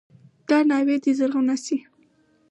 دا ناوې دې زرغونه شي.